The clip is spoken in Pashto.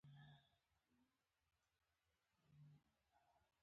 هیله کوم د بخښنې وړ نه ده